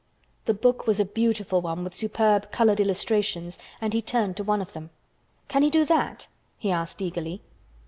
The book was a beautiful one with superb colored illustrations and he turned to one of them. "Can he do that?" he asked eagerly.